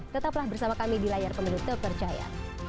tetaplah bersama kami di layar pemiru tepercaya